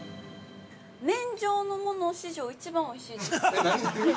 麺状のもの史上、一番おいしいです。